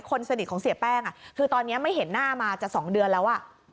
คนสนิทของเสียแป้งคือตอนนี้ไม่เห็นหน้ามาจะ๒เดือนแล้ว